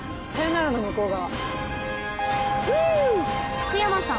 福山さん